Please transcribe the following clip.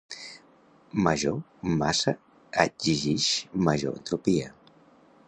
Major massa exigix major entropia.